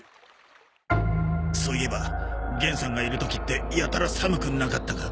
そういえば玄さんがいる時ってやたら寒くなかったか？